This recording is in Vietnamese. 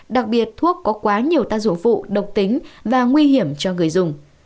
đặc biệt thuốc có quá nhiều tác dụng phụ độc tính và nguy hiểm cho người dùng